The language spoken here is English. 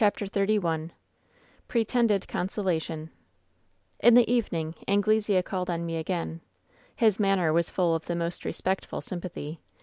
'^ CHAPTER XXXI PEETENDED CONSOULTION "In the evening Anglesea called on me again. "His manner was full of the most respectful sym pathy.